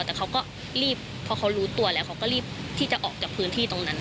แต่เขาก็รีบเพราะเขารู้ตัวแล้วเขาก็รีบที่จะออกจากพื้นที่ตรงนั้น